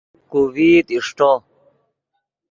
کو ڤئیت اݰٹو